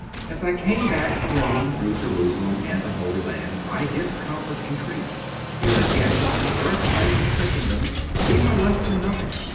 3. As I came back alone through Jerusalem and the Holy Land, my discomfort increased. Here again, in the birthplace of Christendom, we were less than nothing.